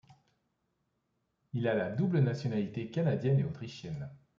Il a la double nationalité canadienne et autrichienne.